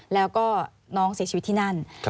แล้วก็น้องเสียชีวิตที่นั่น